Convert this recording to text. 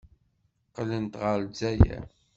Qqlent ɣer Lezzayer.